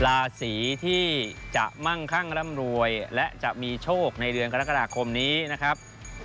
ราศีที่จะมั่งคั่งร่ำรวยและจะมีโชคในเดือนกรกฎาคมนี้นะครับ